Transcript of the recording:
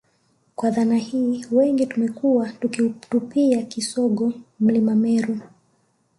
Kwa dhana hii wengi tumekuwa tukiutupia kisogo Mlima Meru